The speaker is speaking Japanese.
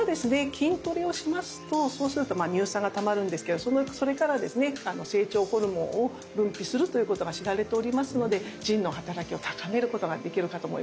筋トレをしますと乳酸がたまるんですけどそれから成長ホルモンを分泌するということが知られておりますので腎の働きを高めることができるかと思います。